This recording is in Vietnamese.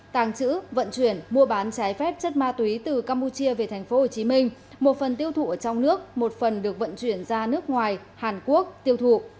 tàng trữ vận chuyển mua bán trái phép chất ma túy từ campuchia về tp hcm một phần tiêu thụ ở trong nước một phần được vận chuyển ra nước ngoài hàn quốc tiêu thụ